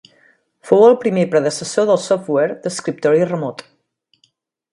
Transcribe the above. Fou el primer predecessor del software "d'escriptori remot".